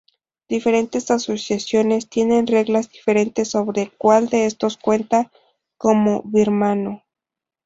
Diferentes asociaciones tienen reglas diferentes sobre cuál de estos cuentan como Birmano.